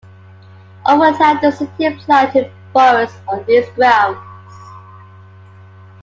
Over time the city planted forests on these grounds.